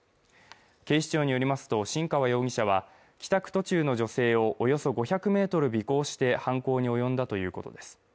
警視庁によりますと新川容疑者は帰宅途中の女性をおよそ５００ｍ尾行して犯行に及んだということです